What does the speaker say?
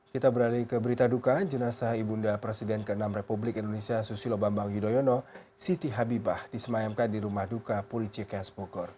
kita beralih ke berita duka jenazah ibunda presiden ke enam republik indonesia susilo bambang yudhoyono siti habibah disemayamkan di rumah duka puricikes bogor